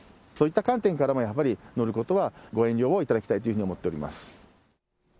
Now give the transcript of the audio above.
そういった観点からもやっぱり、乗ることはご遠慮をいただきたいというふうに思っております。